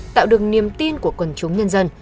tạo được niềm tin của quần chúng nhân dân